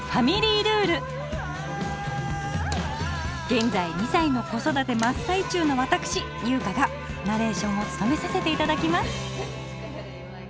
現在２歳の子育て真っ最中の私優香がナレーションをつとめさせていただきます！